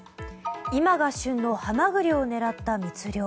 今が旬のハマグリを狙った密漁。